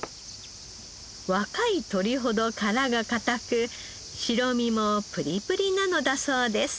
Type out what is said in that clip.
若い鶏ほど殻が硬く白身もプリプリなのだそうです。